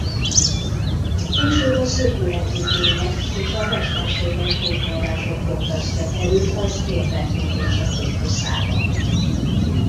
Később a szürkületi fények és a mesterséges fényforrások kontrasztja kerül az érdeklődése fókuszába.